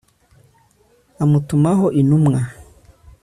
amutumaho intumwa